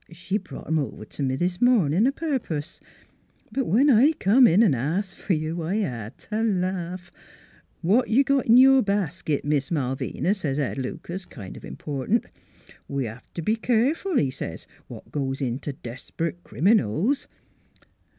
She brought 'em over t' me this mornin' a purpose. But when I come in an' asked fer you I hed t' laugh. ' What you got in your basket, Miss Malvina ?' says Ed Lucas, kind of important. ' We hev t' be keer ful,' says he, ' what goes in t' desprit criminals.'